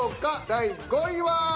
第５位は。